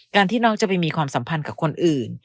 ที่น้องจะไปมีความสัมพันธ์กับคนอื่น